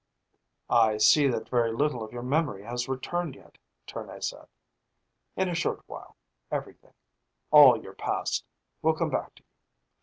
"I see that very little of your memory has returned yet," Tournay said. "In a short while, everything all your past will come back to you.